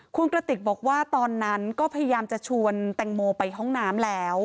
คุณกระติกบอกว่าตอนนั้นก็พยายามจะชวนแตงโมไปห้องน้ำแล้ว